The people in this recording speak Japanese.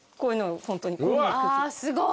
あすごい。